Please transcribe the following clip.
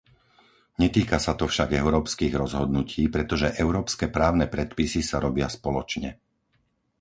Netýka sa to však európskych rozhodnutí, pretože európske právne predpisy sa robia spoločne.